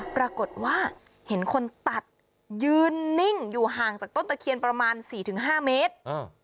ปรากฏว่าเห็นคนตัดยืนนิ่งอยู่ห่างจากต้นตะเคียนประมาณ๔๕เมตร